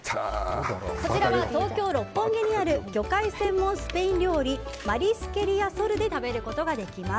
こちらは東京・六本木にある魚介専門スペイン料理マリスケリアソルで食べることができます。